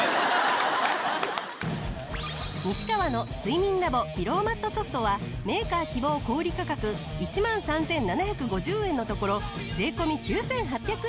西川の睡眠ＬａｂｏピローマットＳｏｆｔはメーカー希望小売価格１万３７５０円のところ税込９８００円。